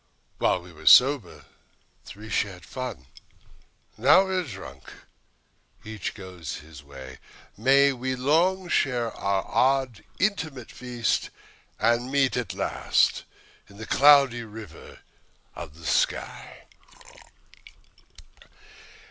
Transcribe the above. While we were sober, three shared the fun; Now we are drunk, each goes his way. May we long share our odd, inanimate feast, And meet at last on the Cloudy River of the sky.